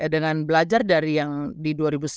dengan belajar dari yang di dua ribu sembilan belas